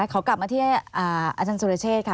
ขอกลับมาที่อาจารย์สุรเชษฐ์ค่ะ